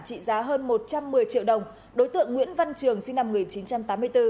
trị giá hơn một trăm một mươi triệu đồng đối tượng nguyễn văn trường sinh năm một nghìn chín trăm tám mươi bốn